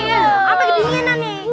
ampe kedinginan nih